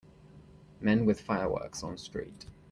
men with fireworks on street.